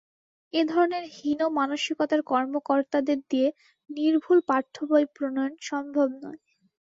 এ ধরনের হীন মানসিকতার কর্মকর্তাদের দিয়ে নির্ভুল পাঠ্যবই প্রণয়ন সম্ভব নয়।